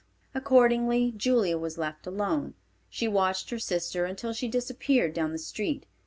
Accordingly Julia was left alone. She watched her sister until she disappeared down the street.